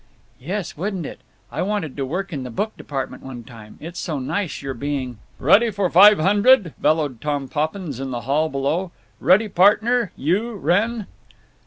"Yes, wouldn't it?… I wanted to work in the book department one time. It's so nice your being—" "Ready for Five Hundred?" bellowed Tom Poppins in the hall below. "Ready partner—you, Wrenn?"